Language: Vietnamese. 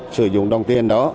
sử dụng đồng tiền đó